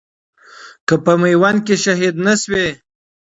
که په ميوند کښي شهيد نه شوې